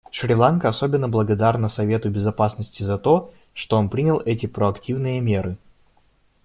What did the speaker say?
Шри-Ланка особенно благодарна Совету Безопасности за то, что он принял эти проактивные меры.